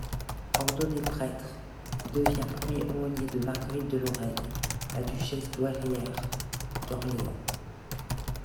Ordonné prêtre, il devient premier aumônier de Marguerite de Lorraine la duchesse douairière d'Orléans.